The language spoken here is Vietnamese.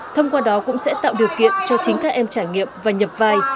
thông qua đó cũng sẽ tạo điều kiện cho chính các em trải nghiệm và nhập vai